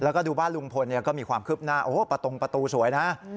แล้วก็ดูบ้านลุงพลก็มีความคืบหน้าโอ้โหประตงประตูสวยนะ